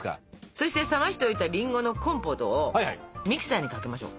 そして冷ましておいたりんごのコンポートをミキサーにかけましょう。